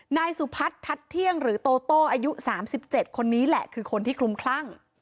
นายสุพัฒน์ทัศน์เที่ยงหรือโตโต้อายุ๓๗คนนี้แหละคือคนที่คลุมคลั่ง